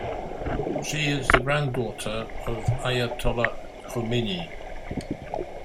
She is the granddaughter of Ayatollah Khomeini.